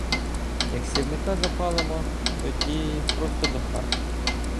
Як сірника запалимо, тоді — просто до хати.